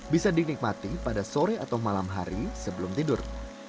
bisa dinikmati pada sore atau malam hari sebelum tidur